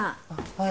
はい。